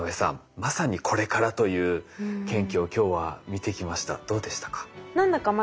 まさにこれからという研究を今日は見てきました。